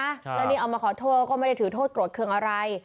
แล้วนี่เอามาขอโทษก็ไม่ได้ถือโทษโกรธเครื่องอะไร